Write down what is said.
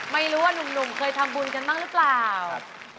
ไม่รู้ว่านุ่มเคยทำบุญกันบ้างหรือเปล่า